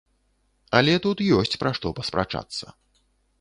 Але тут ёсць пра што паспрачацца.